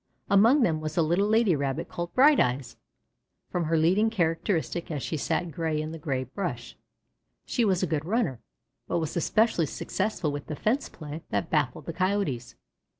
Among them was a little lady Rabbit called "Bright eyes," from her leading characteristic as she sat gray in the gray brush. She was a good runner, but was especially successful with the fence play that baffled the Coyotes.